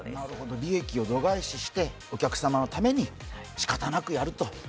利益を度外視して、お客様のために仕方なくやると。